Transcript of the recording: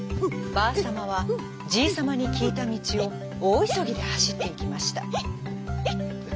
ばあさまはじいさまにきいたみちをおおいそぎではしっていきました。